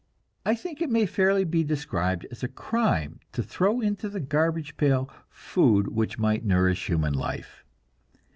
I think it may fairly be described as a crime to throw into the garbage pail food which might nourish human life.